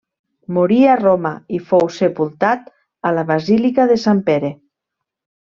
Morí a Roma i fou sepultat a la basílica de Sant Pere.